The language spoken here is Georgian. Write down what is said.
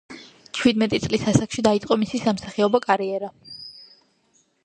ჩვიდმეტი წლის ასაკში დაიწყო მისი სამსახიობო კარიერა.